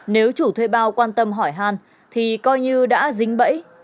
nếu chủ thuê bao quan tâm hỏi hàn thì coi như đã dính bẫy